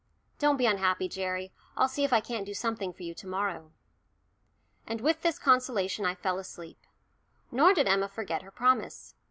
Don't be unhappy, Gerry, I'll see if I can't do something for you to morrow." And with this consolation I fell asleep. Nor did Emma forget her promise.